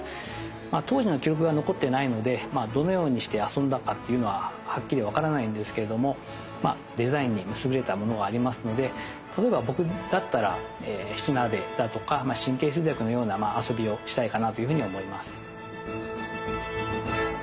まあ当時の記録が残ってないのでどのようにして遊んだかっていうのははっきり分からないんですけれどもデザインに優れたものがありますので例えば僕だったら「七並べ」だとか「神経衰弱」のような遊びをしたいかなというふうに思います。